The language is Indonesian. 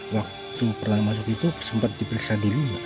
waktu pernah masuk itu sempat diperiksa dulu